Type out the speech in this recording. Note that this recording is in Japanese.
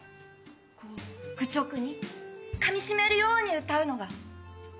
こう愚直にかみ締めるように歌うのが校歌です。